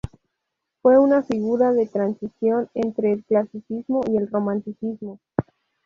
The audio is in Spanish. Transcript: Fue una figura de transición entre el Clasicismo y el Romanticismo.